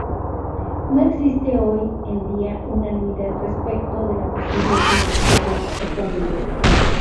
No existe hoy en día unanimidad respecto de la posible etimología del topónimo.